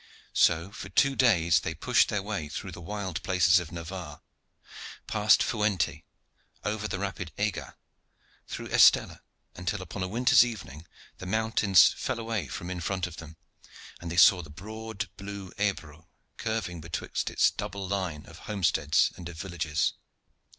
So for two days they pushed their way through the wild places of Navarre, past Fuente, over the rapid Ega, through Estella, until upon a winter's evening the mountains fell away from in front of them, and they saw the broad blue Ebro curving betwixt its double line of homesteads and of villages.